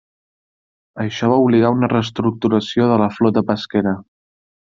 Això va obligar a una reestructuració de la flota pesquera.